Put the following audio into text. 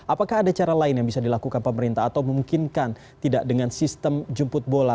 apakah ada cara lain yang bisa dilakukan pemerintah atau memungkinkan tidak dengan sistem jemput bola